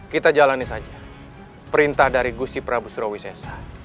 kita jalani saja perintah dari gusti prabu surawis sesa